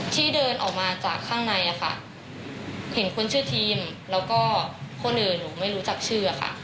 ที่เดินออกมาจากข้างในอะค่ะเห็นคนชื่อทีมแล้วก็คนอื่นหนูไม่รู้จักชื่อค่ะ